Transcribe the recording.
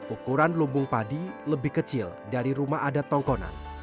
ukuran lumbung padi lebih kecil dari rumah adat tongkonan